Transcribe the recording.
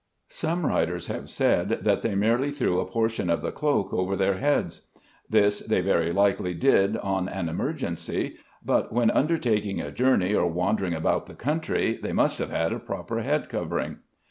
Some writers have said that they merely threw a portion of the cloak over their heads. This they very likely did on an emergency, but when undertaking a journey or wandering about the country, they must have had a proper head covering.